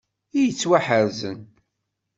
I yettwaḥerzen.